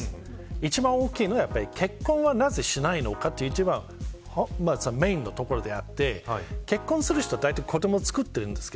一番大きいのは結婚はなぜしないのかというのが一番メーンのところであって結婚する人は大体子どもをつくっています。